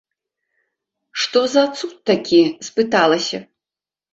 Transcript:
Што за цуд такі, спыталася.